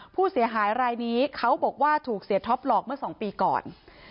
ผู้เสียหายรายนี้เขาบอกว่าถูกเสียท็อปหลอกเมื่อ๒ปีก่อน